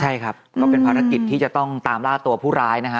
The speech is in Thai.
ใช่ครับก็เป็นภารกิจที่จะต้องตามล่าตัวผู้ร้ายนะฮะ